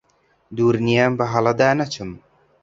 دوور نییە بەهەڵەدا نەچم